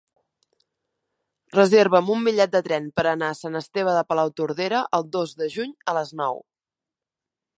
Reserva'm un bitllet de tren per anar a Sant Esteve de Palautordera el dos de juny a les nou.